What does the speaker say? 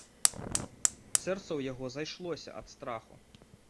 Сэрца ў яго зайшлося ад страху.